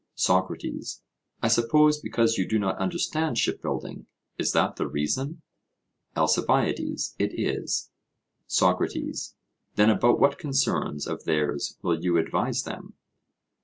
SOCRATES: I suppose, because you do not understand shipbuilding: is that the reason? ALCIBIADES: It is. SOCRATES: Then about what concerns of theirs will you advise them?